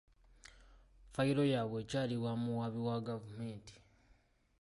Fayiro yaabwe ekyali wa muwaabi wa gavumenti.